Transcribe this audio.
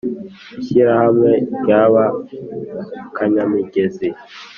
ishyirahamwe rya ba kanyamigezi